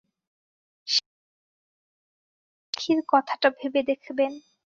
সেই মদ-মুকুলিতাক্ষীর কথাটা ভেবে দেখবেন।